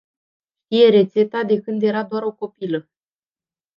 Știe rețeta de când era doar o copilă.